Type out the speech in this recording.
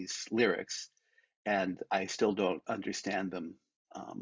dan saya masih tidak mengerti mereka